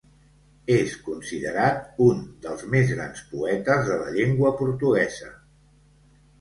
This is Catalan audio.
És considerat un dels més grans poetes de la llengua portuguesa.